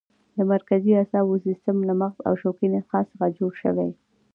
د مرکزي اعصابو سیستم له مغز او شوکي نخاع څخه جوړ شوی دی.